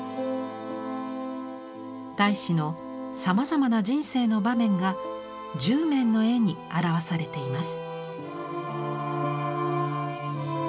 太子のさまざまな人生の場面が１０面の絵に表されています。